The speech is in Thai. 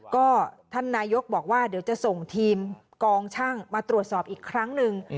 ก็ท่านนายกบอกว่าเดี๋ยวจะส่งทีมกองช่างมาตรวจสอบอีกครั้งหนึ่ง